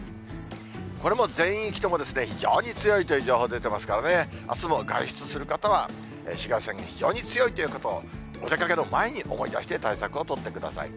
これも全域とも非常に強いという情報出てますからね、あすも外出する方は、紫外線非常に強いということを、お出かけの前に思い出して、対策を取ってください。